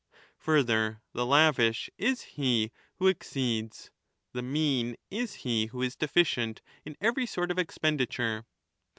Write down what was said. Further, the lavish is he who i ^^ exceeds, the mean is he who is deficient, in every sort of expenditure.